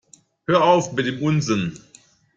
Hör auf mit dem Unsinn!